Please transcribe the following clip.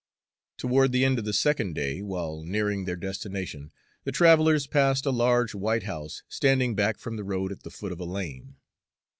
Toward the end of the second day, while nearing their destination, the travelers passed a large white house standing back from the road at the foot of a lane.